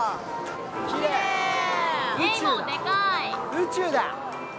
宇宙だ。